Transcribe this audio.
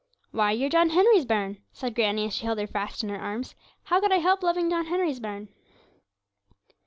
'Why, you're John Henry's bairn,' said granny, as she held her fast in her arms 'how could I help loving John Henry's bairn?'